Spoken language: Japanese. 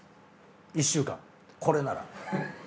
１週間これなら！